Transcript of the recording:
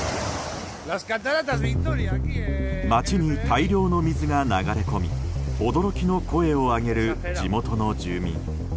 町に大量の水が流れ込み驚きの声を上げる地元の住民。